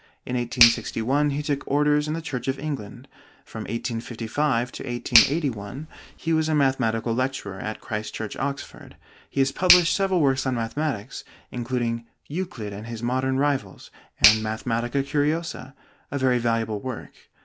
In 1861 he took orders in the Church of England. From 1855 to 1881 he was mathematical lecturer at Christ Church, Oxford. He has published several works on mathematics, including 'Euclid and His Modern Rivals,' and 'Mathematica Curiosa,' a very valuable work.